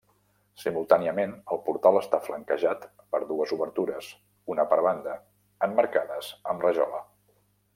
Simultàniament, el portal està flanquejat per dues obertures, una per banda, emmarcades amb rajola.